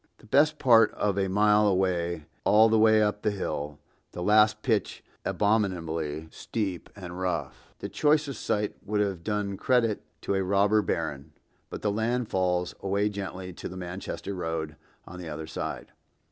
The best part of a mile away and all the way up hill, the last pitch abominably steep and rough, the choice of site would have done credit to a robber baron, but the land falls away gently to the Manchester road on the other side.